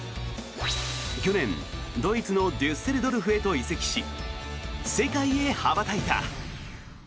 去年、ドイツのデュッセルドルフへと移籍し世界へ羽ばたいた。